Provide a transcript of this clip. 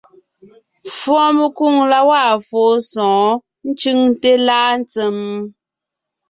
Fùɔmekwoŋ la gwaa fóo sɔ̌ɔn ncʉŋte láa ntsèm?